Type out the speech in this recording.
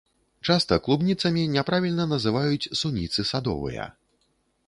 Часта клубніцамі няправільна называюць суніцы садовыя.